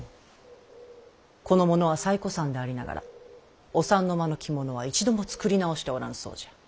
この者は最古参でありながらお三の間の着物は一度も作り直しておらぬそうじゃ。